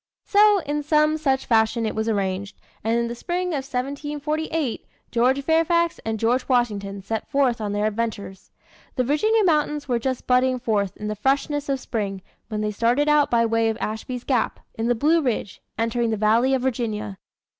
So, in some such fashion it was arranged, and in the spring of 1748, George Fairfax and George Washington set forth on their adventures. The Virginia mountains were just budding forth in the freshness of spring when they started out by way of Ashby's Gap, in the Blue Ridge, entering the valley of Virginia.